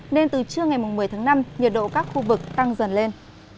nên từ trưa ngày một mươi tháng năm nhiệt độ các khu vực tăng dần lên